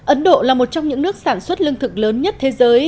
ấn độ là một trong những nước sản xuất lương thực lớn nhất thế giới